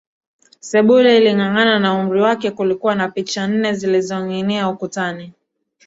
Sebule ililingana na umri wake kulikuwa na picha nne zilizoninginia ukutani